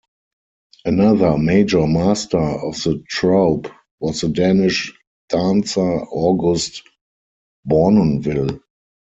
Another major master of the troupe was the Danish dancer August Bournonville.